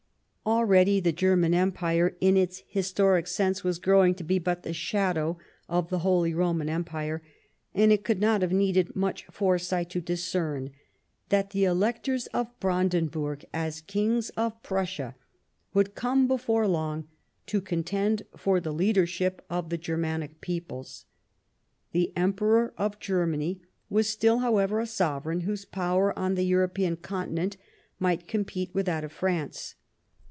Al ready the German empire, in its historic sense, was growing to be but the shadow of the Holy Roman Em pire, and it could not have needed much foresight to discern that the electors of Brandenburg as kings of Prussia would come before long to contend for the leadership of the Germanic peoples. The Emperor of (Jermany was still, however, a sovereign whose power on the European continent might compete with that of France.